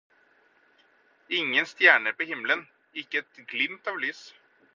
Ingen stjerner på himmelen, ikke et glimt av lys.